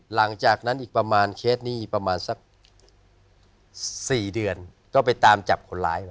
หลังจากนั้นอีกประมาณเคสนี้ประมาณสัก๔เดือนก็ไปตามจับคนร้ายมา